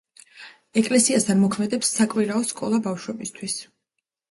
ეკლესიასთან მოქმედებს საკვირაო სკოლა ბავშვებისათვის.